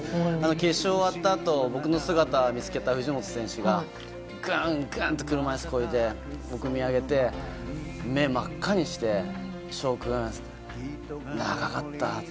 決勝終わったあと僕の姿を見つけた藤本選手がぐんぐんと車いすをこいで僕を見上げて目を真っ赤にして翔君、長かった。